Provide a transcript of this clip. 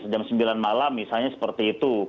jam sembilan malam misalnya seperti itu